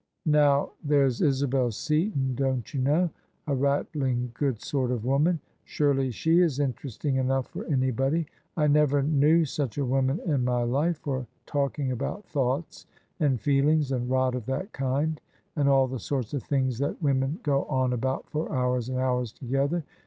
" Now, there's Isabel Seaton, don't you know? A rattling good sort of woman! Surely she is interesting enough for anybody: I never knew such a woman in my life for talking about thoughts and feelings and rot of that kind, and all the sorts of things that women go on about for hours and hours together.